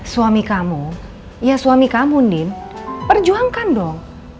suami kamu ya suami kamu nin perjuangkan dong